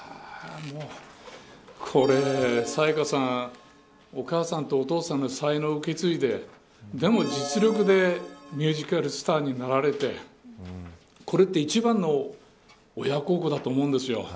これ、沙也加さんお母さんとお父さんの才能を受け継いででも、実力でミュージカルスターになられてこれって一番の親孝行だと思うんですよ。